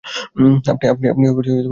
আপনি ঠিক বলেছেন, স্যার।